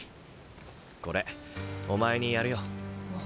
これお前にやるよ。